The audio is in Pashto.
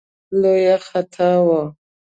لویه خطا وه.